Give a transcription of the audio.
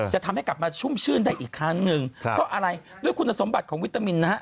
จะทำให้กลับมาชุ่มชื่นได้อีกครั้งหนึ่งเพราะอะไรด้วยคุณสมบัติของวิตามินนะฮะ